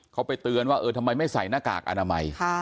เขาไปเตือนว่าเออทำไมไม่ใส่หน้ากากอนามัย